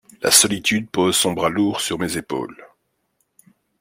La solitude pose son bras lourd sur mes épaules.